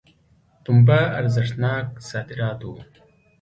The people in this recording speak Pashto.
پنبه ارزښتناک صادرات وو.